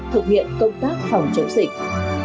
thực hiện công tác phòng chống dịch